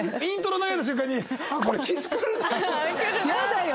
やだよ